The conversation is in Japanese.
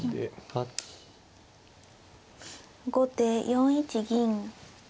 後手４一銀。